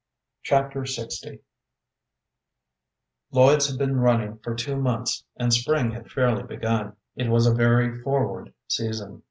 Chapter LX Lloyd's had been running for two months, and spring had fairly begun. It was a very forward season.